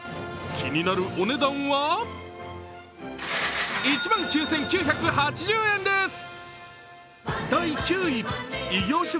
気になるお値段は１万９９８０円です。